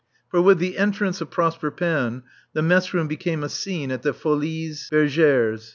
For with the entrance of Prosper Panne the mess room became a scene at the Folies Bergères.